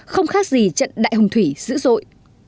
không khác gì trận đại hùng thủy dữ dội